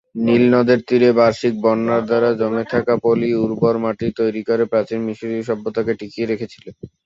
নীলনদের তীরে বার্ষিক বন্যার দ্বারা জমে থাকা পলি উর্বর মাটি তৈরি করে প্রাচীন মিশরীয় সভ্যতাকে টিকিয়ে রেখেছিল।